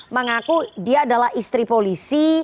mengaku dia adalah istri polisi